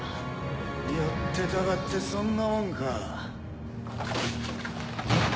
寄ってたかってそんなもんか。